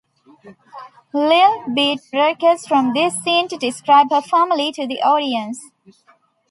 Li'l Bit breaks from this scene to describe her family to the audience.